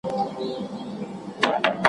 په کوهي کي پر اوزګړي باندي ویر سو `